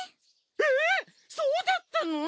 えそうだったの？